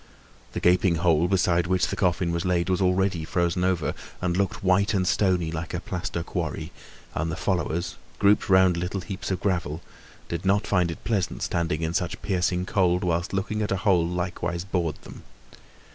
The gaping hole beside which the coffin was laid was already frozen over, and looked white and stony, like a plaster quarry; and the followers, grouped round little heaps of gravel, did not find it pleasant standing in such piercing cold, whilst looking at the hole likewise bored them.